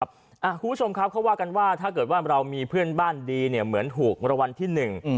คุณผู้ชมครับเขาว่ากันว่าถ้าเกิดว่าเรามีเพื่อนบ้านดีเนี่ยเหมือนถูกรางวัลที่หนึ่ง